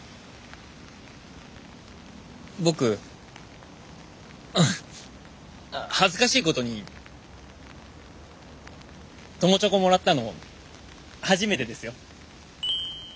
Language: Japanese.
僕恥ずかしいことに友チョコもらったの初めてですよ。